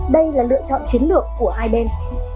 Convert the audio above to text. đây là lựa chọn chiến lược của hai bên